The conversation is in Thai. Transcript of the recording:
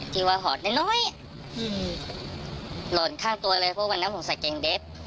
ที่ว่าหอดน้อยหล่อนข้างตัวเลยเพราะวันนั้นผมใส่แกงเด็บ